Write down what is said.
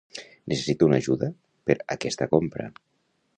Necessito una ajuda per aquesta compra.